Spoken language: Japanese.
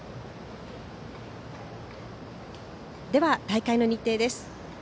大会の日程です。